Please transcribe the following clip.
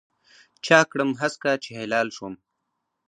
چا کړم هسکه چې هلال شوم